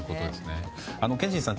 憲伸さん